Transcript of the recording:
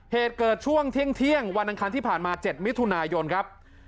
เหตุเกิดช่วงเที่ยงวันอังคารที่ผ่านมา๗มิถุนายนครับ